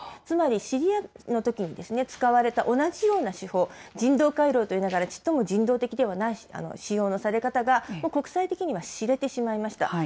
つまりシリアのときに使われた同じような手法、人道回廊といいながら、ちっとも人道的ではない使用のされ方が国際的には知れてしまいました。